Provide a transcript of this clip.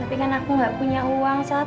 tapi kan aku gak punya uang sat